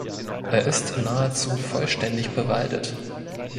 Er ist nahezu vollständig bewaldet.